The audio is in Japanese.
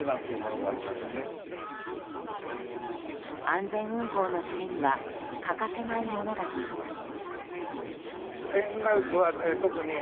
安全運航のためには欠かせないものだといいます。